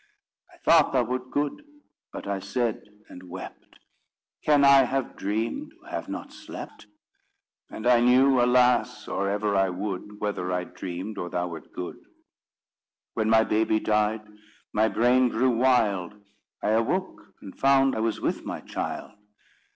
I thought thou wert good; but I said, and wept: 'Can I have dreamed who have not slept?' And I knew, alas! or ever I would, Whether I dreamed, or thou wert good. When my baby died, my brain grew wild. I awoke, and found I was with my child."